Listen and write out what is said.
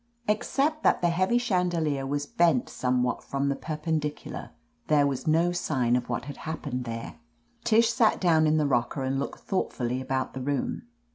Except that the heavy chan delier was bent somewhat from the perpendicu lar, there was no sign of what had happened there. Tish sat down in the rocker and looked thoughtfully about the room.